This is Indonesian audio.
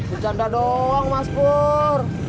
gue cantah doang mas pur